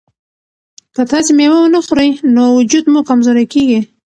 که تاسي مېوه ونه خورئ نو وجود مو کمزوری کیږي.